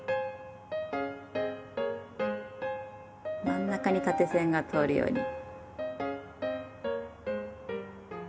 真ん中に縦線が通るように。